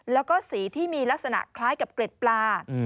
แล้วก็สีที่มีลักษณะคล้ายกับเกร็ดปลา